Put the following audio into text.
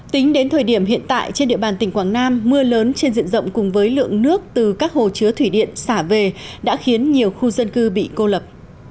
tính đến thời điểm hiện tại trên địa bàn tỉnh quảng nam mưa lớn trên diện rộng cùng với lượng nước từ các hồ chứa thủy điện xả về đã khiến nhiều khu dân cư bị cô lập